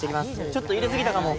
ちょっと入れすぎたかも。